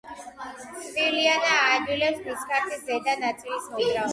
ცვილიანა აადვილებს ნისკარტის ზედა ნაწილის მოძრაობას.